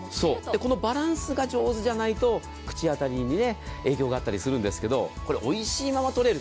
このバランスが上手じゃないと口当たりに影響があったりするんですけどこれ、おいしいまま取れる。